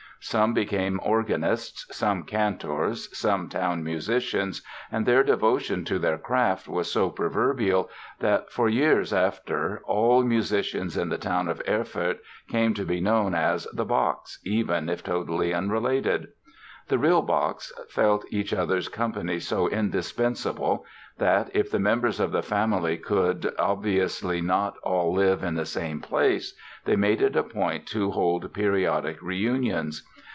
Some became organists, some cantors, some town musicians, and their devotion to their craft was so proverbial that, for years after, all musicians in the town of Erfurt came to be known as "the Bachs" even if totally unrelated. The real Bachs felt each other's company so indispensable that, if the members of the family could obviously not all live in the same place, they made it a point to hold periodic reunions.